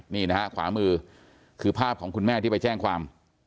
นี่นะฮะขวามือคือภาพของคุณแม่ที่ไปแจ้งความ